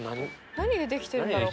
何で出来てるんだろう？